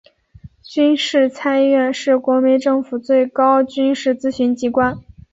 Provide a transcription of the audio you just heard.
军事参议院是国民政府最高军事咨询机关。